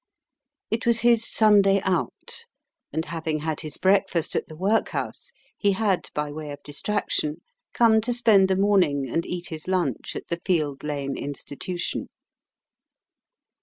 It was his "Sunday out" and having had his breakfast at the workhouse, he had, by way of distraction, come to spend the morning and eat his lunch at the Field Lane Institution.